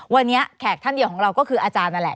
วันนี้แขกท่านเดียวของเราก็คืออาจารย์นั่นแหละ